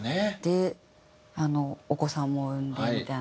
でお子さんも生んでみたいな。